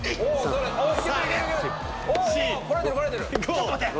ちょっと待って。